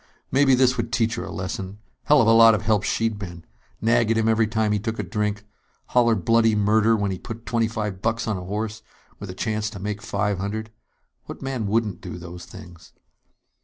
Maybe this would teach her a lesson! Hell of a lot of help she'd been! Nag at him every time he took a drink. Holler bloody murder when he put twenty five bucks on a horse, with a chance to make five hundred. What man wouldn't do those things?